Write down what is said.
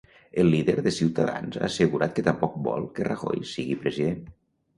El líder de Ciutadans ha assegurat que tampoc vol que Rajoy sigui president.